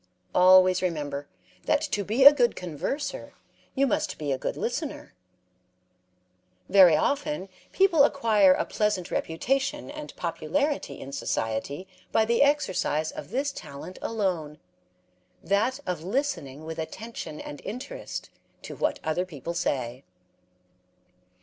Always remember that to be a good converser you must be a good listener. Very often people acquire a pleasant reputation and popularity in society by the exercise of this talent alone that of listening with attention and interest to what other people say.